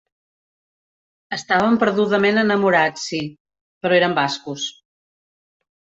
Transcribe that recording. Estàvem perdudament enamorats, sí, però érem bascos.